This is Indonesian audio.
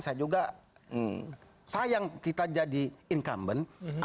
saya juga sayang kita jadi incumbent